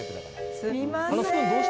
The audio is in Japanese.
すみません。